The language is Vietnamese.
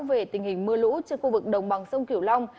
về tình hình mưa lũ trên khu vực đồng bằng sông kiểu long